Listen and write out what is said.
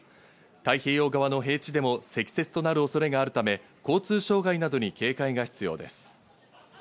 太平洋側の平地でも積雪となる恐れがあるため交通障害などに警戒が必要です。